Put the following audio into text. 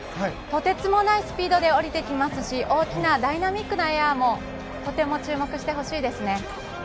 とてつもないスピードで降りてきますし大きなダイナミックなエアもとても注目してほしいです。